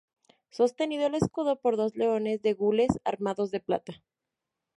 Sostenido el escudo por dos leones de gules, armados de plata.